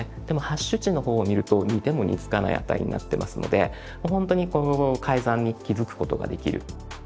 でもハッシュ値の方を見ると似ても似つかない値になってますので本当に改ざんに気付くことができる。